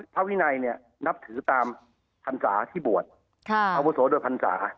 พระพินัยนับถือตามพันศาที่บวชอาวุโสโดยพันศา